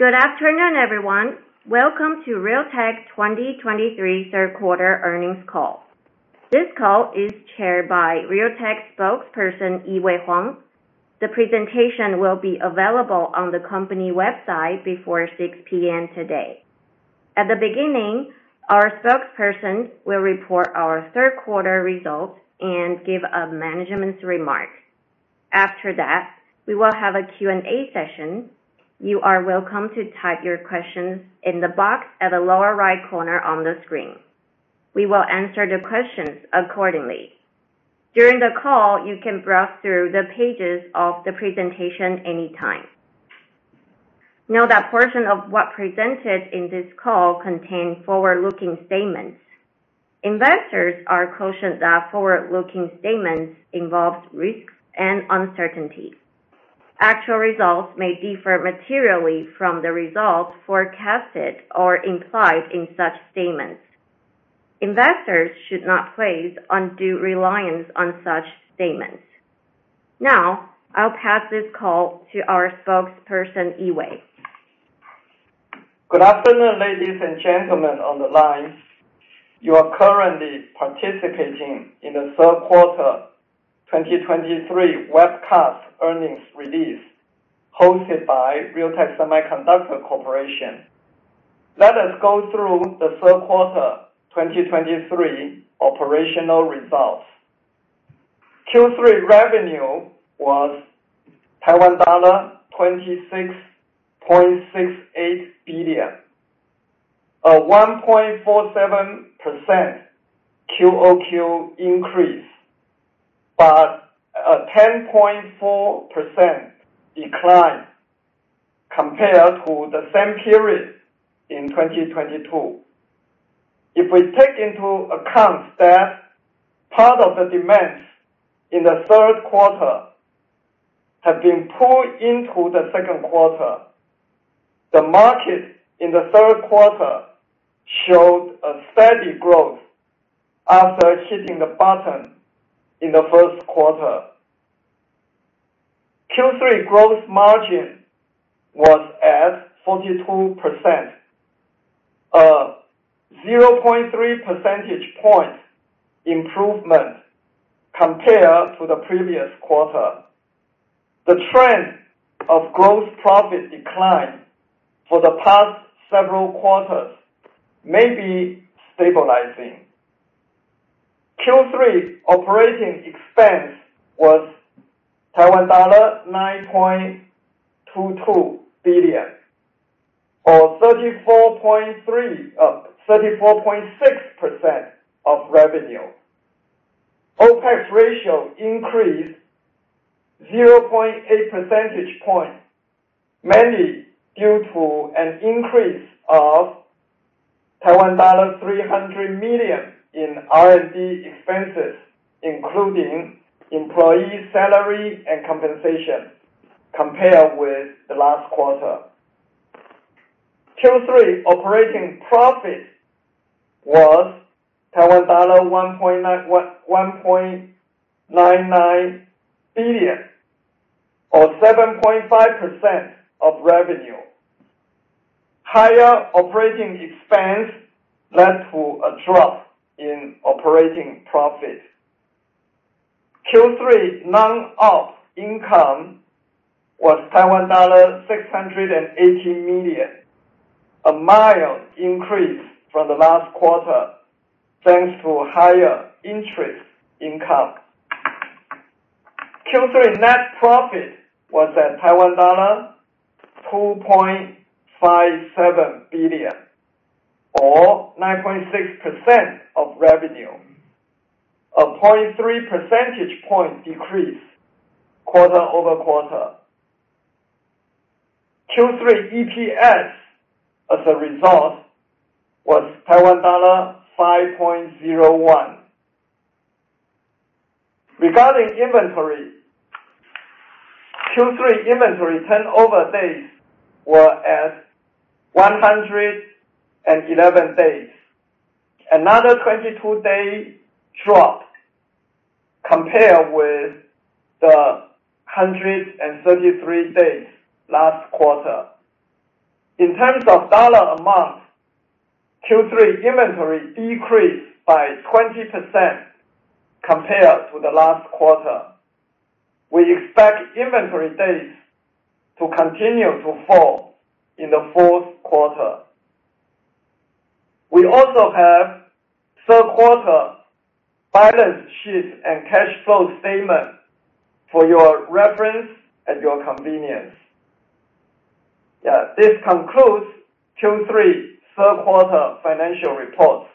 Good afternoon, everyone. Welcome to Realtek 2023 third quarter earnings call. This call is chaired by Realtek Spokesperson, Yee-Wei Huang. The presentation will be available on the company website before 6:00 P.M. today. At the beginning, our Spokesperson will report our third quarter results and give a management's remark. After that, we will have a Q&A session. You are welcome to type your questions in the box at the lower right corner on the screen. We will answer the questions accordingly. During the call, you can browse through the pages of the presentation anytime. Note that portion of what presented in this call contain forward-looking statements. Investors are cautioned that forward-looking statements involve risks and uncertainties. Actual results may differ materially from the results forecasted or implied in such statements. Investors should not place undue reliance on such statements. Now, I'll pass this call to our Spokesperson, Yee-Wei. Good afternoon, ladies and gentlemen, on the line. You are currently participating in the third quarter 2023 webcast earnings release, hosted by Realtek Semiconductor Corporation. Let us go through the third quarter 2023 operational results. Q3 revenue was Taiwan dollar 26.68 billion, a 1.47% QoQ increase, but a 10.4% decline compared to the same period in 2022. If we take into account that part of the demands in the third quarter have been pulled into the second quarter, the market in the third quarter showed a steady growth after hitting the bottom in the first quarter. Q3 gross margin was at 42%, a 0.3 percentage point improvement compared to the previous quarter. The trend of gross profit decline for the past several quarters may be stabilizing. percentage point" - Correct. * *Wait, Rule 3:* "Comparative periods: hyphenate year-over-year, quarter-over-quarter, month-over-month." * "quarter-over-quarter" - Correct. * *Wait, Rule 5:* "Correct obvious spelling and capitalization errors, including financial acronyms (e.g., EBITDA, ROI, OpEx, CapEx)." * "OpEx" - Correct. * *Wait, Rule 1:* "Remove unnecessary starter conjunctions (And, But, So, Or, Then) from the beginning of sentences only if doing so does not alter or impact the meaning." * None. * *Wait, Rule 1:* "ONLY REMOVE distracting fillers and stutters: 'um,' 'uh,' and meaningless false starts that do not add meaning." * "thirty-four point three-- uh, thirty-four point six" -> Regarding inventory, Q3 inventory turnover days were at 111 days, another 22-day drop compared with the 133 days last quarter. In terms of dollar amount, Q3 inventory decreased by 20% compared to the last quarter. We expect inventory days to continue to fall in the fourth quarter. We also have third quarter balance sheet and cash flow statement for your reference at your convenience. Yeah, this concludes Q3 third quarter financial report.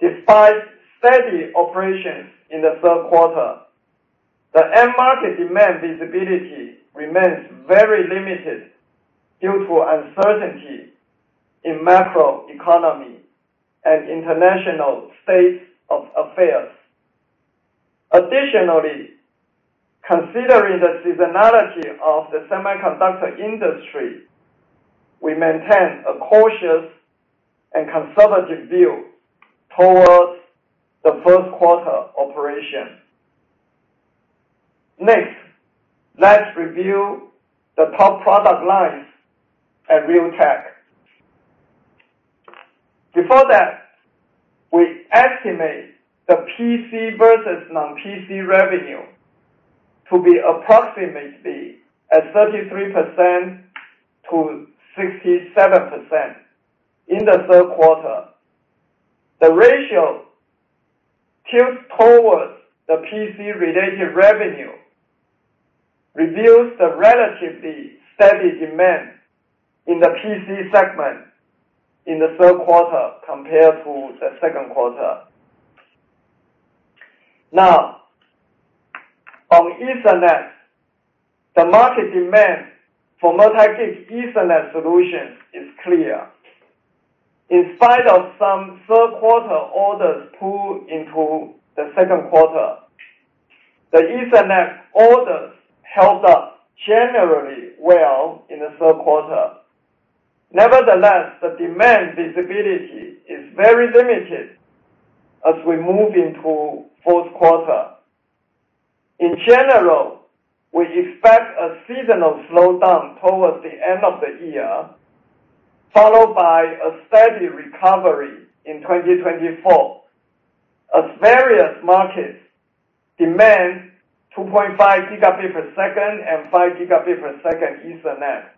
Despite steady operations in the third quarter, the end market demand visibility remains very limited due to uncertainty in macroeconomy and international state of affairs. Additionally, considering the seasonality of the semiconductor industry, we maintain a cautious and conservative view towards the first quarter operation. Next, let's review the top product lines at Realtek. Before that, we estimate the PC versus non-PC revenue to be approximately at 33%-67% in the third quarter. The ratio tilts towards the PC-related revenue, reveals the relatively steady demand in the PC segment in the third quarter compared to the second quarter. Now, on Ethernet, the market demand for multi-gig Ethernet solutions is clear. In spite of some third quarter orders pulled into the second quarter, the Ethernet orders held up generally well in the third quarter. Nevertheless, the demand visibility is very limited as we move into fourth quarter. In general, we expect a seasonal slowdown towards the end of the year, followed by a steady recovery in 2024. As various markets demand 2.5 Gbps and 5 Gbps Ethernet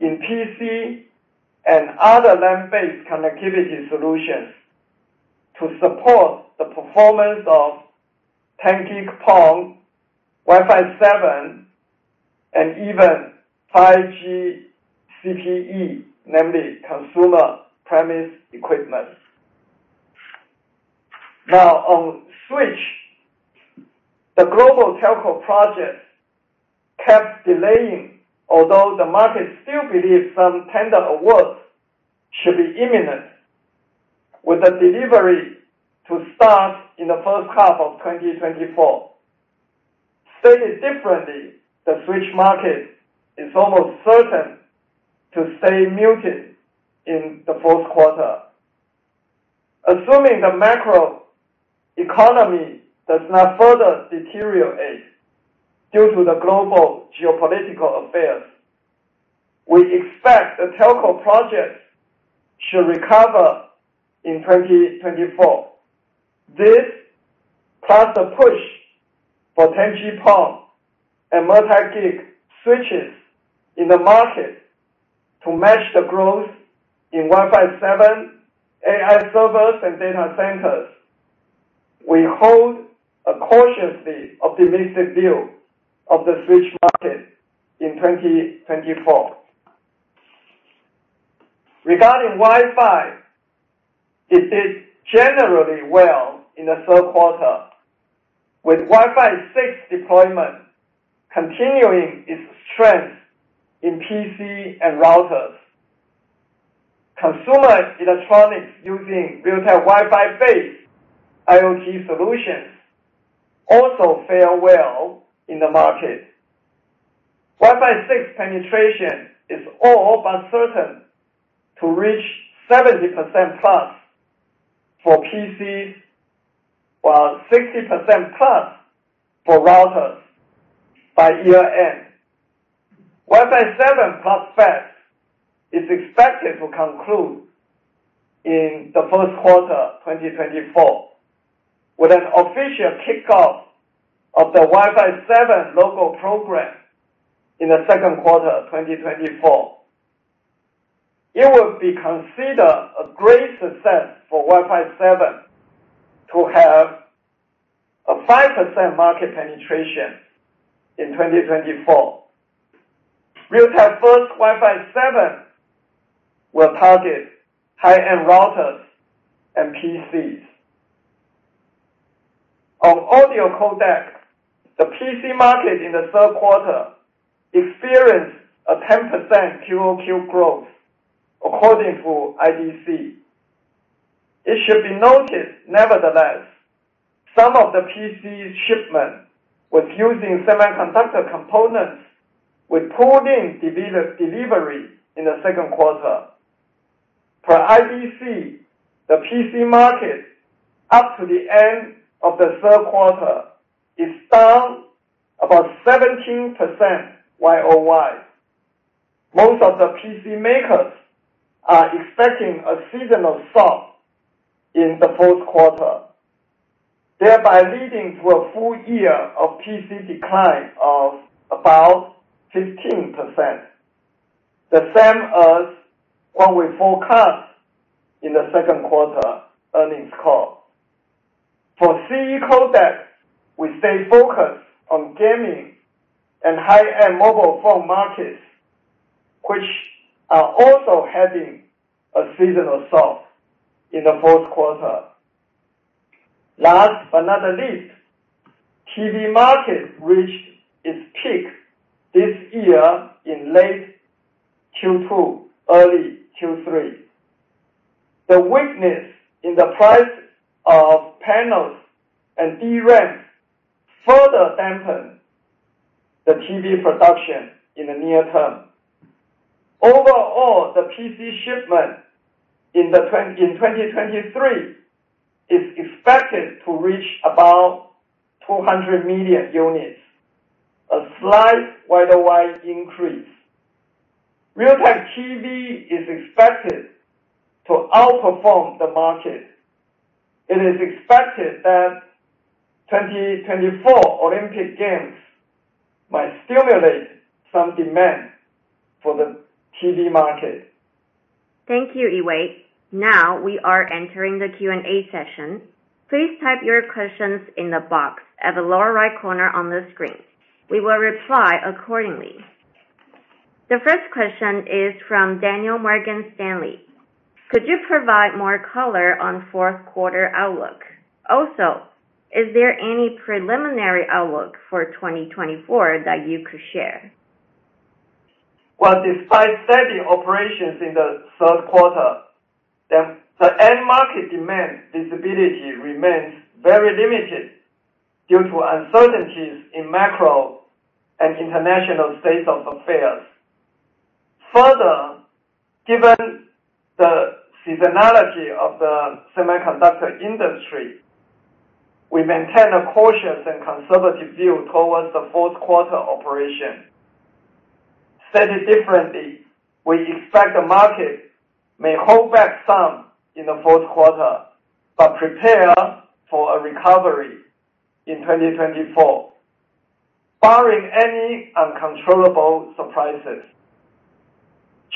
in PC and other LAN-based connectivity solutions to support the performance of 10G PON, Wi-Fi 7, and even 5G CPE, namely Customer Premises Equipment. Now, on switch, the global telco project kept delaying, although the market still believes some tender awards should be imminent, with the delivery to start in the first half of 2024. Stated differently, the switch market is almost certain to stay muted in the fourth quarter. Assuming the macroeconomy does not further deteriorate due to the global geopolitical affairs, we expect the telco projects should recover in 2024. This, plus the push for 10G PON and multi-gig switches in the market to match the growth in Wi-Fi 7, AI servers, and data centers. We hold a cautiously optimistic view of the switch market in 2024. Regarding Wi-Fi, it did generally well in the third quarter, with Wi-Fi 6 deployment continuing its strength in PC and routers. Consumer electronics using Realtek Wi-Fi-based IoT solutions also fare well in the market. Wi-Fi 6 penetration is all but certain to reach 70%+ for PCs, while 60%+ for routers by year end. Wi-Fi 7 prospects is expected to conclude in the first quarter 2024, with an official kickoff of the Wi-Fi 7 Logo Program in the second quarter of 2024. It would be considered a great success for Wi-Fi 7 to have a 5% market penetration in 2024. Realtek first Wi-Fi 7 will target high-end routers and PCs. On Audio Codec, the PC market in the third quarter experienced a 10% QoQ growth, according to IDC. It should be noted, nevertheless, some of the PC shipment with using semiconductor components were pulled in delivery in the second quarter. Per IDC, the PC market up to the end of the third quarter is down about 17% YoY. Most of the PC makers are expecting a seasonal slump in the fourth quarter, thereby leading to a full year of PC decline of about 15%, the same as what we forecast in the second quarter earnings call. For CE codec, we stay focused on gaming and high-end mobile phone markets, which are also having a seasonal slump in the fourth quarter. Last but not the least, TV market reached its peak this year in late Q2, early Q3. The weakness in the price of panels and DRAM further dampen the TV production in the near term. Overall, the PC shipment in 2023 is expected to reach about 200 million units, a slight YoY increase. Realtek TV is expected to outperform the market. It is expected that 2024 Olympic Games might stimulate some demand for the TV market. Thank you, Yee-Wei. Now we are entering the Q&A session. Please type your questions in the box at the lower right corner on the screen. We will reply accordingly. The first question is from Daniel, Morgan Stanley. Could you provide more color on fourth quarter outlook? Also, is there any preliminary outlook for 2024 that you could share? Well, despite steady operations in the third quarter, the end market demand visibility remains very limited due to uncertainties in macro and international state of affairs. Further, given the seasonality of the semiconductor industry, we maintain a cautious and conservative view towards the fourth quarter operation. Said differently, we expect the market may hold back some in the fourth quarter, but prepare for a recovery in 2024, barring any uncontrollable surprises.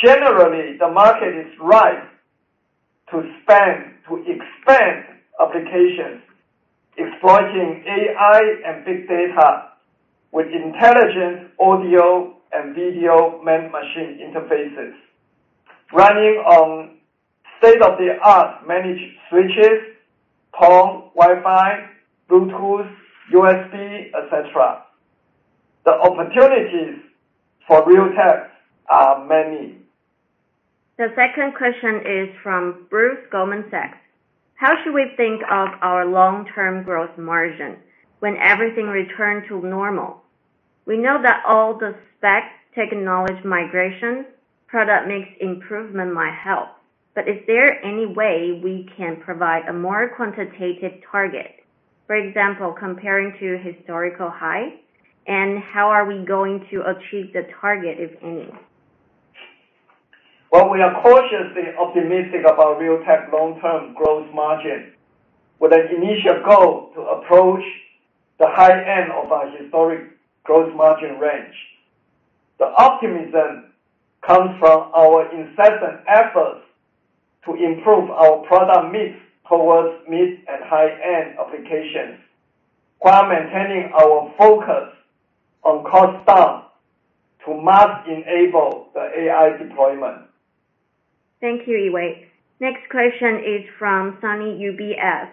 Generally, the market is ripe to spend, to expand applications, exploiting AI and big data with intelligent audio and video man-machine interfaces, running on state-of-the-art managed switches, PON, Wi-Fi, Bluetooth, USB, et cetera. The opportunities for Realtek are many. The second question is from Bruce, Goldman Sachs. How should we think of our long-term gross margin when everything return to normal? We know that all the specs, technology migration, product mix improvement might help, but is there any way we can provide a more quantitative target, for example, comparing to historical high? How are we going to achieve the target, if any? Well, we are cautiously optimistic about Realtek long-term gross margin, with an initial goal to approach the high end of our historic gross margin range. The optimism comes from our incessant efforts to improve our product mix towards mid- and high-end applications, while maintaining our focus on cost-down to mass-enable the AI deployment. Thank you, Yee-Wei. Next question is from Sunny, UBS.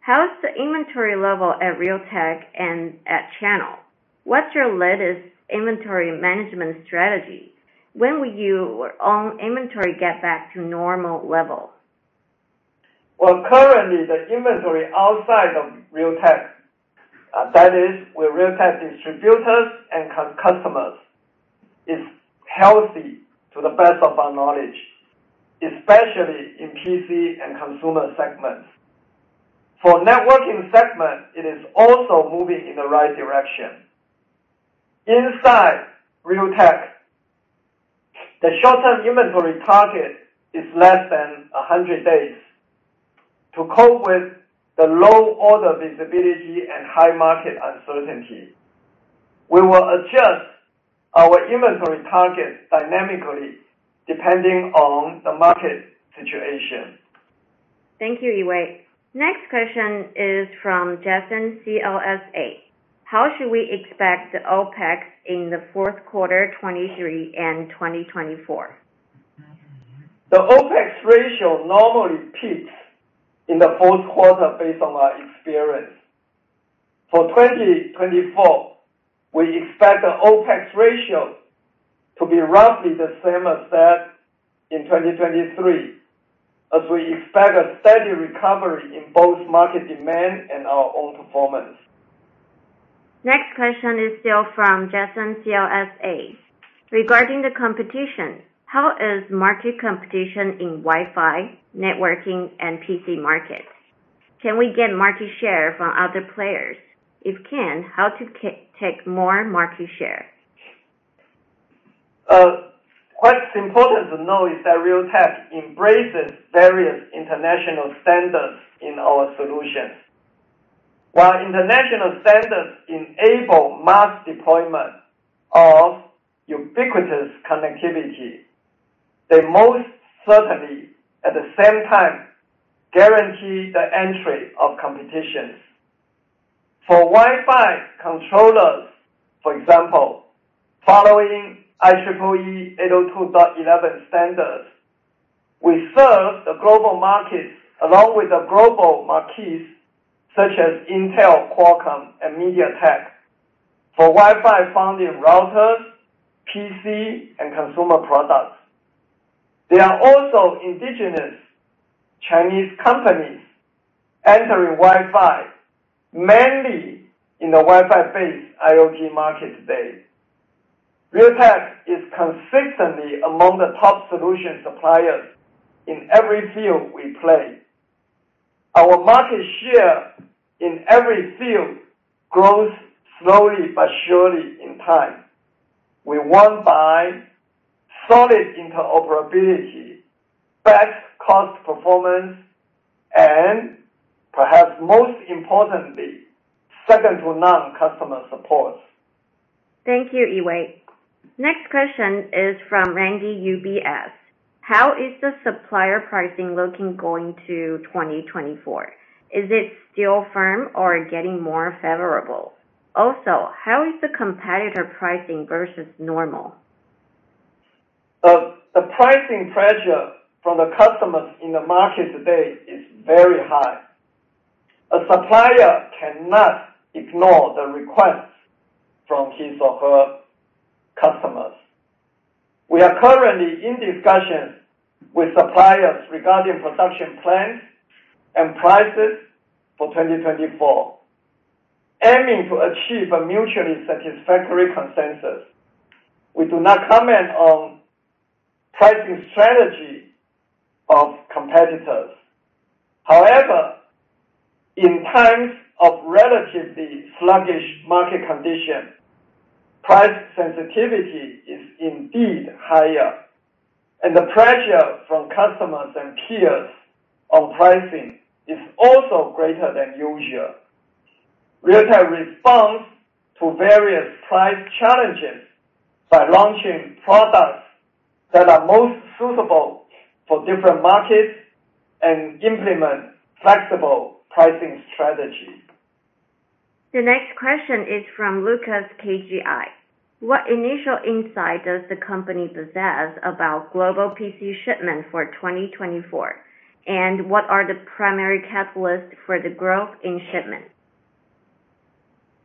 How is the inventory level at Realtek and at channel? What's your latest inventory management strategy? When will your own inventory get back to normal level? Well, currently, the inventory outside of Realtek, that is, with Realtek distributors and customers, is healthy to the best of our knowledge, especially in PC and consumer segments. For networking segment, it is also moving in the right direction. Inside Realtek, the short-term inventory target is less than 100 days to cope with the low order visibility and high market uncertainty. We will adjust our inventory targets dynamically, depending on the market situation. Thank you, Yee-Wei. Next question is from Jason, CLSA. How should we expect the OpEx in the fourth quarter 2023 and 2024? The OpEx ratio normally peaks in the fourth quarter based on our experience. For 2024, we expect the OpEx ratio to be roughly the same as that in 2023, as we expect a steady recovery in both market demand and our own performance. Next question is still from Jason, CLSA. Regarding the competition, how is market competition in Wi-Fi, networking, and PC markets? Can we get market share from other players? If can, how to take more market share? What's important to know is that Realtek embraces various international standards in our solutions. While international standards enable mass deployment of ubiquitous connectivity, they most certainly, at the same time, guarantee the entry of competitions. For Wi-Fi controllers, for example, following IEEE 802.11 standards, we serve the global markets along with the global marques, such as Intel, Qualcomm, and MediaTek. For Wi-Fi found in routers, PC, and consumer products, there are also indigenous Chinese companies entering Wi-Fi, mainly in the Wi-Fi-based IoT market today. Realtek is consistently among the top solution suppliers in every field we play. Our market share in every field grows slowly but surely in time. We won by solid interoperability, best cost performance, and perhaps most importantly, second-to-none customer support. Thank you, Yee-Wei. Next question is from Randy, UBS. How is the supplier pricing looking going to 2024? Is it still firm or getting more favorable? Also, how is the competitor pricing versus normal? The pricing pressure from the customers in the market today is very high. A supplier cannot ignore the requests from his or her customers. We are currently in discussions with suppliers regarding production plans and prices for 2024, aiming to achieve a mutually satisfactory consensus. We do not comment on pricing strategy of competitors. However, in times of relatively sluggish market condition, price sensitivity is indeed higher, and the pressure from customers and peers on pricing is also greater than usual. Realtek responds to various price challenges by launching products that are most suitable for different markets and implement flexible pricing strategy. The next question is from Lucas, KGI. What initial insight does the company possess about global PC shipment for 2024? What are the primary catalysts for the growth in shipment?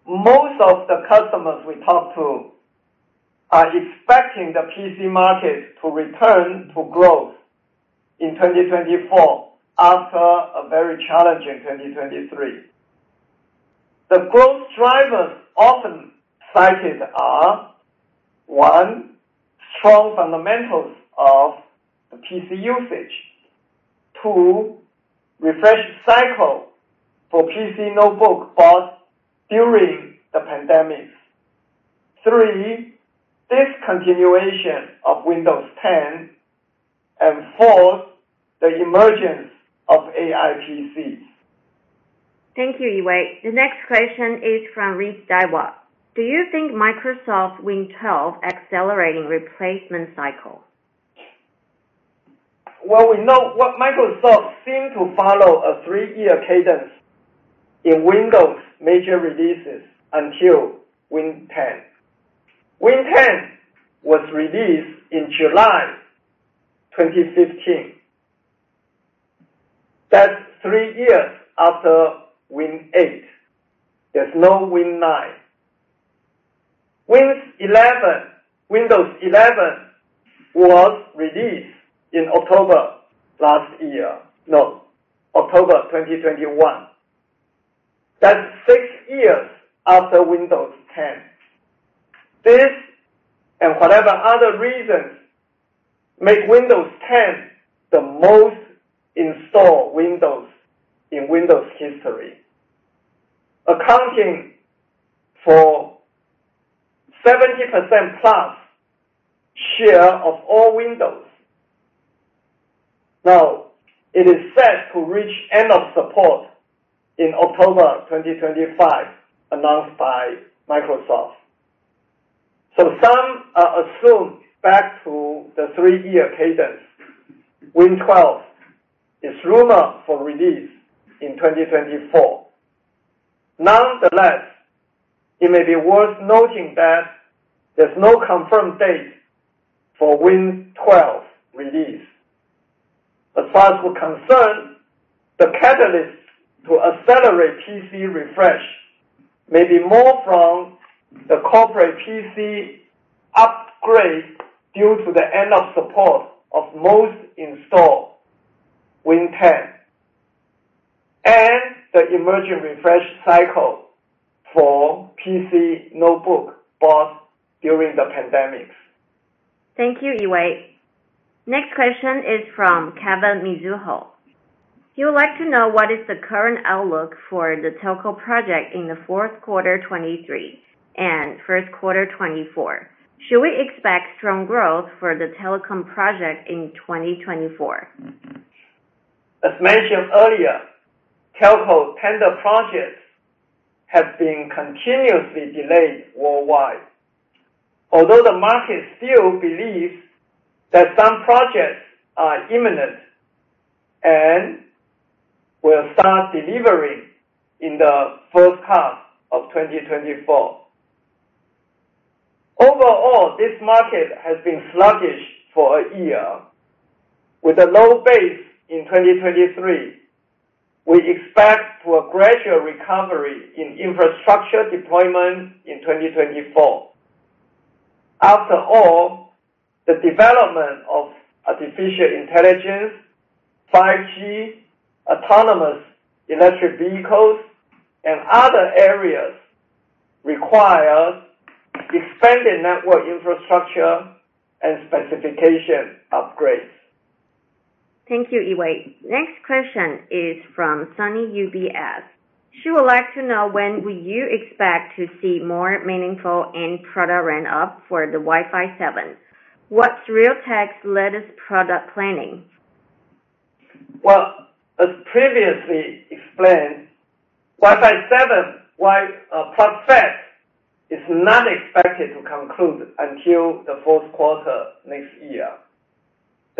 Most of the customers we talk to are expecting the PC market to return to growth in 2024, after a very challenging 2023. The growth drivers often cited are, one, strong fundamentals of the PC usage. Two, refresh cycle for PC notebook bought during the pandemic. Three, discontinuation of Windows 10. Four, the emergence of AI PCs. Thank you, Yee-Wei. The next question is from Rick, Daiwa. Do you think Microsoft Win 12 accelerating replacement cycle? Well, we know what Microsoft seemed to follow a three-year cadence in Windows major releases until Win 10. Win 10 was released in July 2015. That's three years after Win 8. There's no Win 9. Win 11, Windows 11 was released in October last year. No, October 2021. That's six years after Windows 10. This, and whatever other reasons, make Windows 10 the most installed Windows in Windows history, accounting for 70%+ share of all Windows. Now, it is set to reach end of support in October 2025, announced by Microsoft. Some are assumed back to the three-year cadence. Win 12 is rumored for release in 2024. Nonetheless, it may be worth noting that there's no confirmed date for Win 12 release. As far as we're concerned, the catalyst to accelerate PC refresh may be more from the corporate PC upgrade due to the end of support of most installed Win 10 and the emerging refresh cycle for PC notebook bought during the pandemic. Thank you, Yee-Wei. Next question is from Kevin, Mizuho. He would like to know what is the current outlook for the telco project in the fourth quarter 2023 and first quarter 2024. Should we expect strong growth for the telecom project in 2024? As mentioned earlier, telco tender projects have been continuously delayed worldwide. Although the market still believes that some projects are imminent and will start delivering in the first half of 2024, overall, this market has been sluggish for a year. With a low base in 2023, we expect to a gradual recovery in infrastructure deployment in 2024. After all, the development of artificial intelligence, 5G, autonomous electric vehicles, and other areas require expanded network infrastructure and specification upgrades. Thank you, Yee-Wei. Next question is from Sunny, UBS. She would like to know, when will you expect to see more meaningful and product ramp-up for the Wi-Fi 7? What's Realtek's latest product planning? * Wait, "logo program". * Is it "Logo Program"? * I'll use "logo program". * Wait, "second quarter 2024". * "in second quarter 2024". * Wait, "fourth quarter next year". * "until the fourth quarter next year".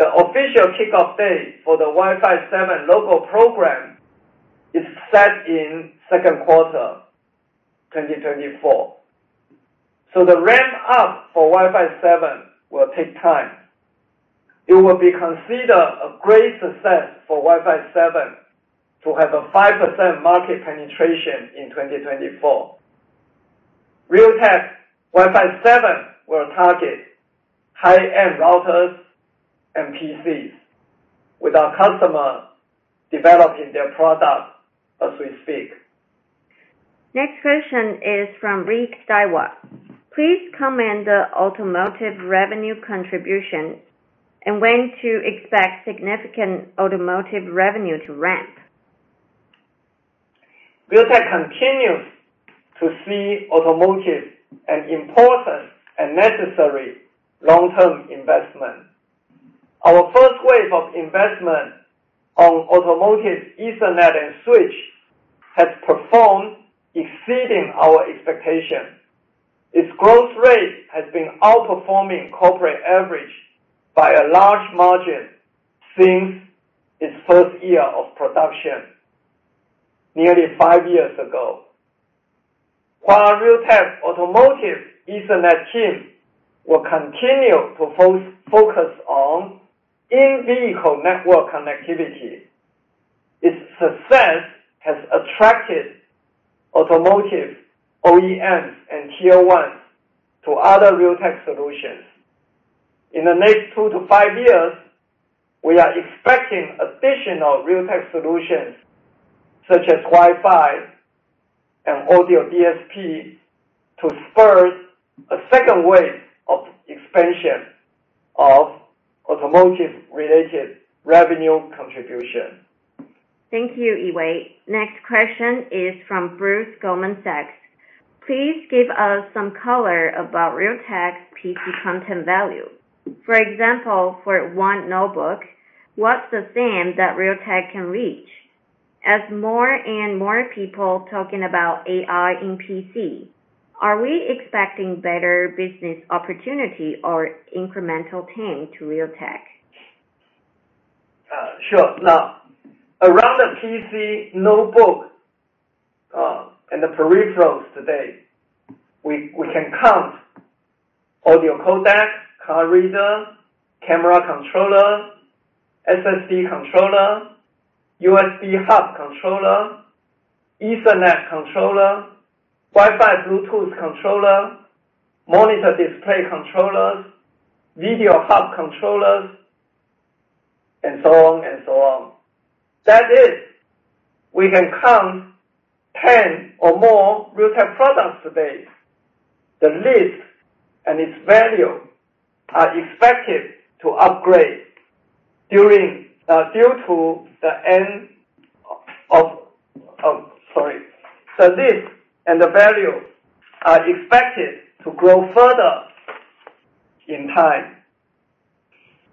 * Wait, "5%". * "a 5% market penetration". * Wait, "Realtek Wi-Fi 7". * "Realtek Wi-Fi 7 will target..." * Wait, "high Next question is from Rick Stewart. Please comment the automotive revenue contribution, and when to expect significant automotive revenue to ramp. Realtek continues to see automotive an important and necessary long-term investment. Our first wave of investment on automotive Ethernet and switch has performed exceeding our expectation. Its growth rate has been outperforming corporate average by a large margin since its first year of production, nearly five years ago. While Realtek Automotive Ethernet team will continue to focus on in-vehicle network connectivity, its success has attracted automotive OEMs and Tier 1s to other Realtek solutions. In the next two to five years, we are expecting additional Realtek solutions, such as Wi-Fi and audio DSP, to spur a second wave of expansion of automotive-related revenue contribution. Thank you, Yee-Wei. Next question is from Bruce, Goldman Sachs. Please give us some color about Realtek PC content value. For example, for one notebook, what's the same that Realtek can reach? As more and more people talking about AI in PC, are we expecting better business opportunity or incremental change to Realtek? Sure. Now, around the PC notebook and the peripherals today, we can count Audio Codec, card reader, camera controller, SSD controller, USB hub controller, Ethernet controller, Wi-Fi, Bluetooth controller, monitor display controllers, video hub controllers, and so on and so on. That is, we can count 10 or more Realtek products today. The list and the value are expected to grow further in time,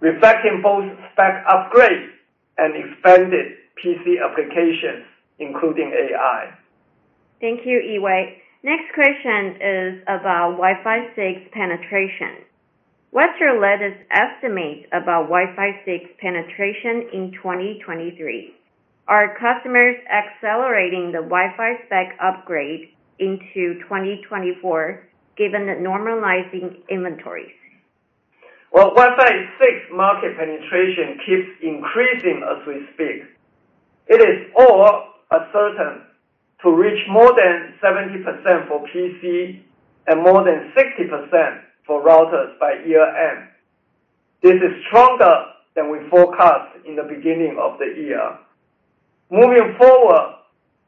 reflecting both spec upgrades and expanded PC applications, including AI. Thank you, Yee-Wei. Next question is about Wi-Fi 6 penetration. What's your latest estimate about Wi-Fi 6 penetration in 2023? Are customers accelerating the Wi-Fi spec upgrade into 2024, given the normalizing inventories? * "readily" -> "steadily". * These are corrections of misheard words. * "Correct obvious spelling and capitalization errors... Use contextual clues and phonetic matching to identify terms correctly." * "all a certain" is not a term, but "also certain" is the correct phrase. * "readily" is a word, but "steadily" is the correct word in context. * Let's look at the "word-for-word" rule again. * "Preserve every word in its exact order, with no rephrasing or verb-tense changes." * "NEVER remove or alter words unless they fall under the specific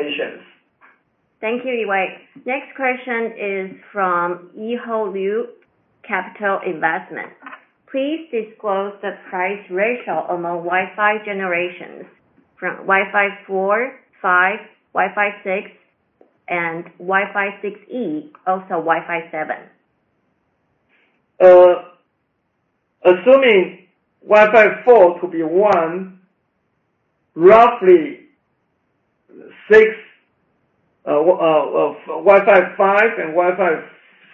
exceptions". Thank you, Yee-Wei. Next question is from Yi-Ho Liu, Capital Investment. Please disclose the price ratio among Wi-Fi generations, from Wi-Fi 4, 5, Wi-Fi 6, and Wi-Fi 6E, also Wi-Fi 7. Assuming Wi-Fi 4 to be 1, Wi-Fi 5 and Wi-Fi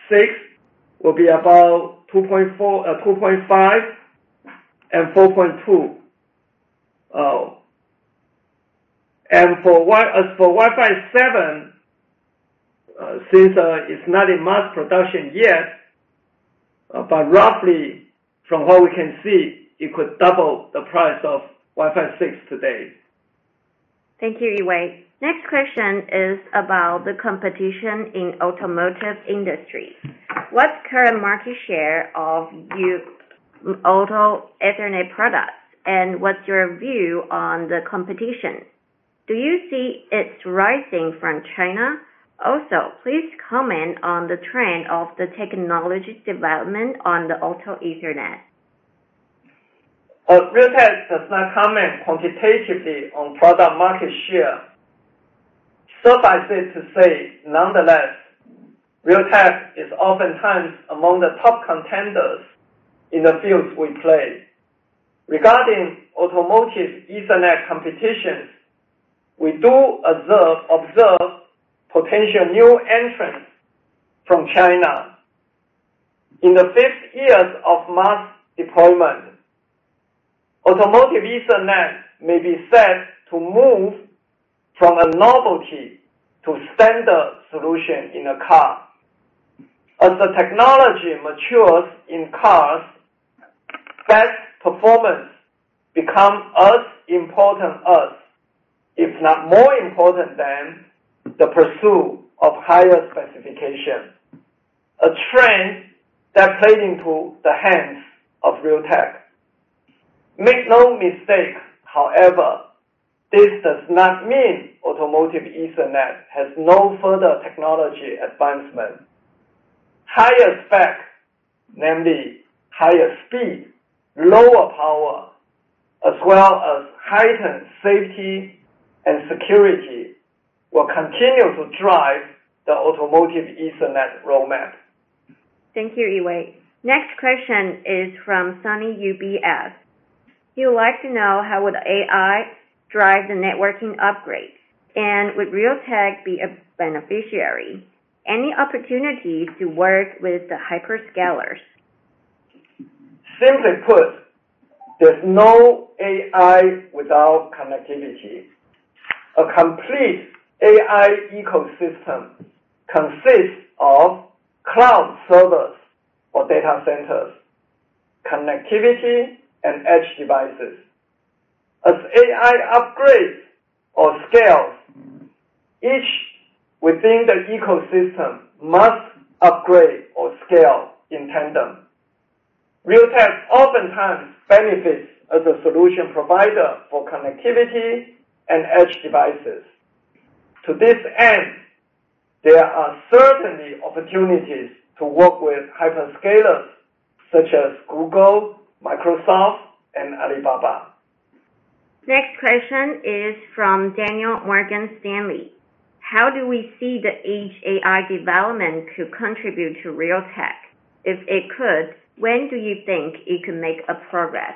6 will be about 2.4-2.5 and 4.2. As for Wi-Fi 7, since it's not in mass production yet, but roughly from what we can see, it could double the price of Wi-Fi 6 today. Thank you, Yee-Wei. Next question is about the competition in automotive industry. What's current market share of your Auto Ethernet products, and what's your view on the competition? Do you see it's rising from China? Also, please comment on the trend of the technology development on the Auto Ethernet. Realtek does not comment quantitatively on product market share. Suffice it to say, nonetheless, Realtek is oftentimes among the top contenders in the fields we play. Regarding Automotive Ethernet competition, we do observe potential new entrants from China. In the fifth years of mass deployment, Automotive Ethernet may be set to move from a novelty to standard solution in a car. As the technology matures in cars, best performance become as important as, if not more important than, the pursuit of higher specification. A trend that plays into the hands of Realtek. Make no mistake, however, this does not mean Automotive Ethernet has no further technology advancement. Higher spec, namely higher speed, lower power, as well as heightened safety and security, will continue to drive the Automotive Ethernet roadmap. Thank you, Yee-Wei. Next question is from Sunny, UBS. He would like to know: How would AI drive the networking upgrade? Would Realtek be a beneficiary? Any opportunities to work with the hyperscalers? Simply put, there's no AI without connectivity. A complete AI ecosystem consists of cloud servers or data centers, connectivity, and edge devices. As AI upgrades or scales, each within the ecosystem must upgrade or scale in tandem. Realtek oftentimes benefits as a solution provider for connectivity and edge devices. To this end, there are certainly opportunities to work with hyperscalers such as Google, Microsoft, and Alibaba. Next question is from Daniel, Morgan Stanley. How do we see the Edge AI development to contribute to Realtek? If it could, when do you think it could make a progress?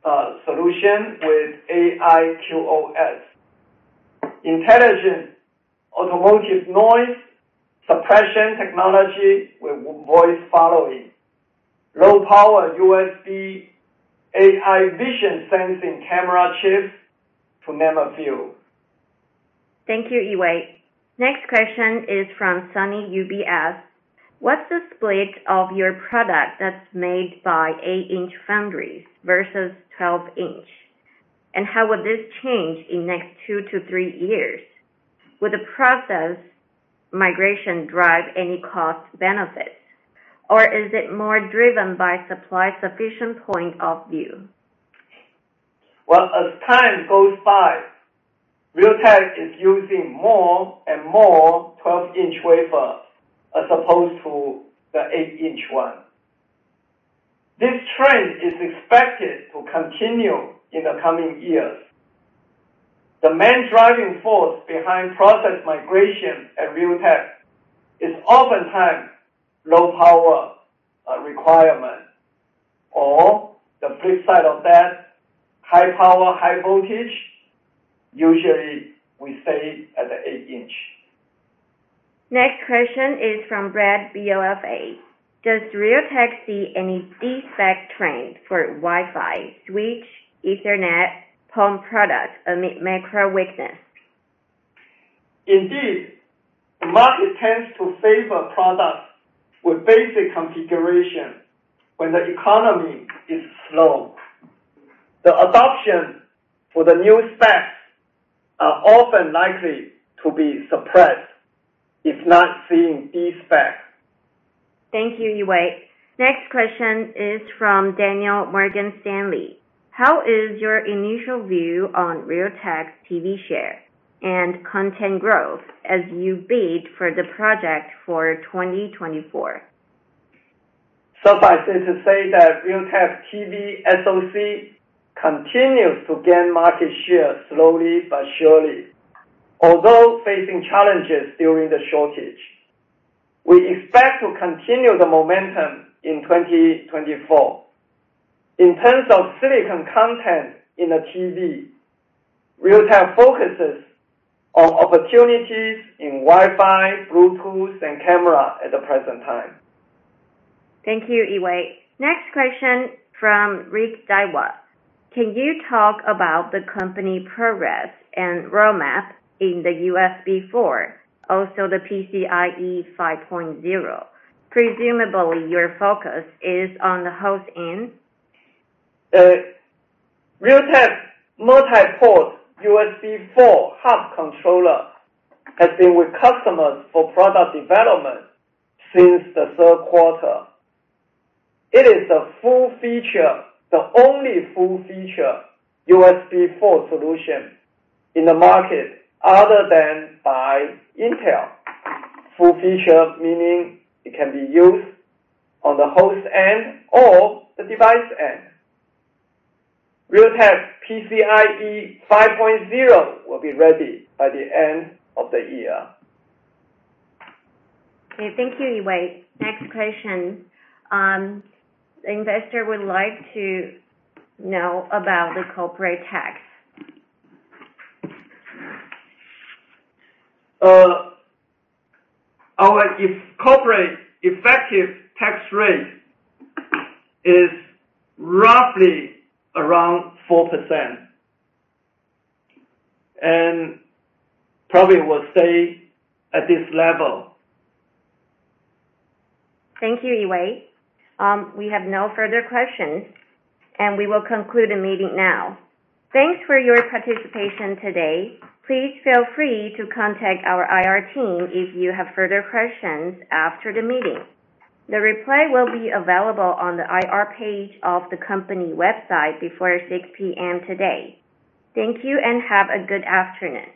"camera chips" (2 words) * Wait, "PD application". * "P.D. application". * Wait, "AP router". * "A.P. router". * Wait, "IC". * Glossary: "IC". * Wait, "AI". * Glossary: "AI". * Wait, "2023". Thank you, Yee-Wei. Next question is from Sunny, UBS. What's the split of your product that's made by eight-inch foundries versus 12 in? How would this change in next two to three years? Would the process migration drive any cost benefits, or is it more driven by supply-sufficient point of view? * *Wait, one last check on "wafer" vs "wafers".* * Transcript: "twelve-inch wafer". * I'll keep "wafer". * *Wait, one last check on "low-power requirement".* * "low-power requirement" (adjective-noun). * *Wait, one last check on "high-power, high-voltage".* * "high-power, high-voltage" (adjectives) Next question is from Brad, BofA. Does Realtek see any de-spec trend for Wi-Fi, switch, Ethernet, home product amid macro weakness? Indeed, the market tends to favor products with basic configuration when the economy is slow. The adoption for the new specs are often likely to be suppressed, if not seeing de-spec. Thank you, Yee-Wei. Next question is from Daniel, Morgan Stanley. How is your initial view on Realtek's TV share and content growth as you bid for the project for 2024? Suffice it to say that Realtek TV SoC continues to gain market share slowly but surely, although facing challenges during the shortage. We expect to continue the momentum in 2024. In terms of silicon content in the TV, Realtek focuses on opportunities in Wi-Fi, Bluetooth, and camera at the present time. Thank you, Yee-Wei. Next question from Rick, Daiwa. Can you talk about the company progress and roadmap in the USB4, also the PCIe 5.0? Presumably, your focus is on the host end. Realtek multi-port USB4 hub controller has been with customers for product development since the third quarter. It is a full feature, the only full feature USB4 solution in the market, other than by Intel. Full feature, meaning it can be used on the host end or the device end. Realtek PCIe 5.0 will be ready by the end of the year. Okay, thank you, Yee-Wei. Next question. The investor would like to know about the corporate tax. Our corporate effective tax rate is roughly around 4% and probably will stay at this level. Thank you, Yee-Wei. We have no further questions, and we will conclude the meeting now. Thanks for your participation today. Please feel free to contact our IR team if you have further questions after the meeting. The replay will be available on the IR page of the company website before 6:00 P.M. today. Thank you, and have a good afternoon.